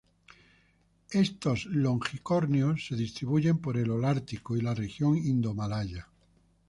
Estos longicornios se distribuyen por el holártico y la región indomalaya.